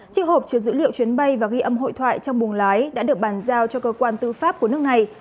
chiếc hộp chứa dữ liệu chuyến bay và ghi âm hội thoại trong buồng lái đã được bàn giao cho cơ quan tư pháp của nước này